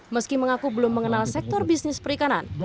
meski mengaku belum mengenal sektor bisnis perikanan